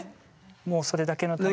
もうそれだけのために。